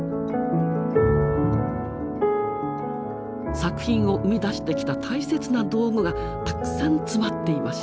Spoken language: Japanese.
作品を生み出してきた大切な道具がたくさん詰まっていました。